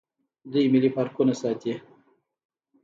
دوی ملي پارکونه ساتي.